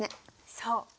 そう。